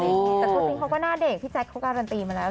แต่คู่นี้เขาก็หน้าเด็กพี่แจ๊คเขาการันตีมาแล้ว